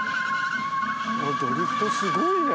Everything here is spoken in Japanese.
ドリフトすごいね。